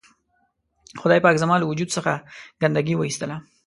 خدای پاک زما له وجود څخه ګندګي و اېستله.